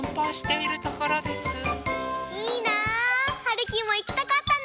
いいな！はるきもいきたかったな！